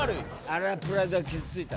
あれはプライドが傷ついた？